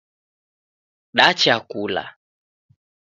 Dacha kula